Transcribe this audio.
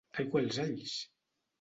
Aigua als alls!